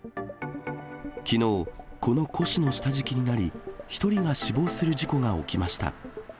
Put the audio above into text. きのう、この古紙の下敷きになり、１人が死亡する事故が起きました。